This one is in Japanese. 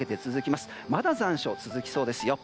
まだ残暑が続きそうですよ。